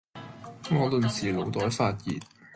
我頓時腦袋發熱